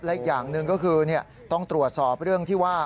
และอีกอย่างหนึ่งก็คือต้องตรวจสอบเรื่องที่ว่า